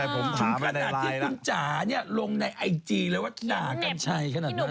ถึงขนาดที่คุณจ่ายเนี่ยลงในไอจีงเลยว่าด่ากันชัย